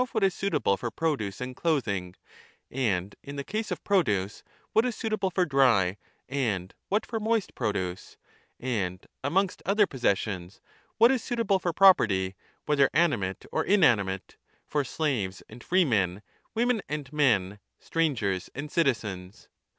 6 1345^ what is suitable for produce and clothing, and in the case of produce what is suitable for dry and what for moist produce, and amongst other possessions what is suitable for property whether animate or inanimate, for slaves and freemen, women and men, scrangers and citizens.